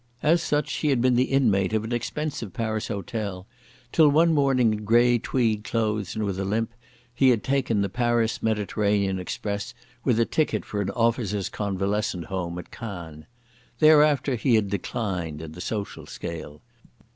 As such he had been the inmate of an expensive Paris hotel, till one morning, in grey tweed clothes and with a limp, he had taken the Paris Mediterranean Express with a ticket for an officers' convalescent home at Cannes. Thereafter he had declined in the social scale.